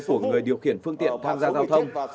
của người điều khiển phương tiện tham gia giao thông